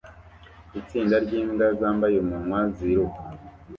Itsinda ryimbwa zambaye umunwa ziruka